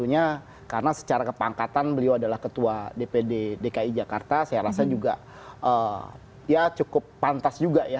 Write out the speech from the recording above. ya cukup pantas juga ya